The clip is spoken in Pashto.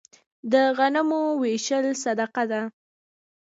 د غنمو ویشل صدقه ده.